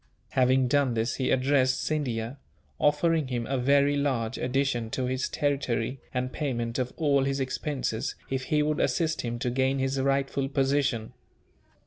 Having done this he addressed Scindia; offering him a very large addition to his territory, and payment of all his expenses, if he would assist him to gain his rightful position.